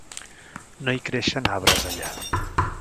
No hi creixen arbres allà.